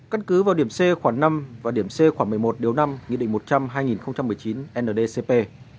căn cứ vào điểm c khoảng năm và điểm c khoảng một mươi một điều năm nghị định một trăm linh hai nghìn một mươi chín ndcp